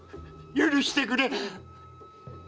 許してくれ！